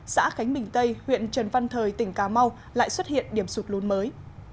xã khánh bình tây huyện trần văn thời tỉnh cà mau lại xuất hiện điểm sụt lún mới